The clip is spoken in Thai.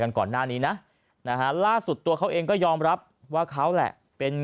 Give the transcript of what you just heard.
ก่อนหน้านี้นะนะฮะล่าสุดตัวเขาเองก็ยอมรับว่าเขาแหละเป็น